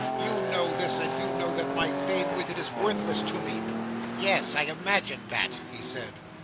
You know this, and you know that my fame with it is worthless to me." "Yes; I imagined that," he said.